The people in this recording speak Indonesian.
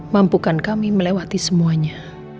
mampukan kami melewati semuanya